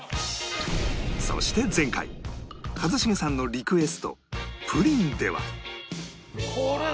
そして前回一茂さんのリクエストプリンでは